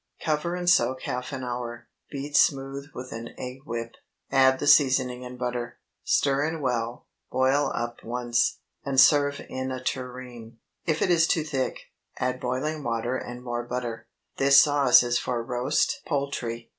Cover and soak half an hour; beat smooth with an egg whip, add the seasoning and butter; stir in well, boil up once, and serve in a tureen. If it is too thick, add boiling water and more butter. This sauce is for roast poultry.